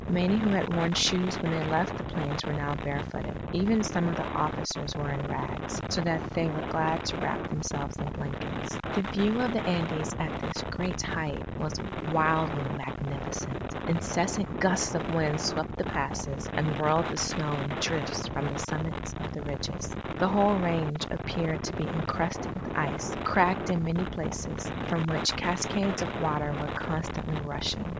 Many who had worn shoes when they left the plains, were now barefooted. Even some of the officers were in rags, so that they were glad to wrap themselves in blankets. The view of the Andes at this great height was wildly magnificent. Incessant gusts of wind swept the passes, and whirled the snow in drifts from the summits of the ridges. The whole range appeared to be encrusted with ice, cracked in many places, from which cascades of water were constantly rushing.